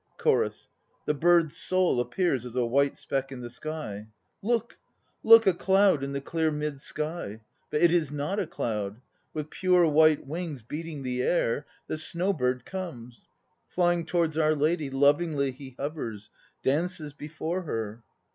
CHORUS (the bird's soul appears as a white speck in the sky). Look! Look! A cloud in the clear mid sky! But it is not a cloud. With pure white wings beating the air The Snow bird comes! Flying towards our lady Lovingly he hovers, Dances before her.